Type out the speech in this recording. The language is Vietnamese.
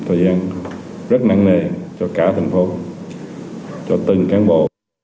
thời gian rất năng nề cho cả thành phố cho từng cán bộ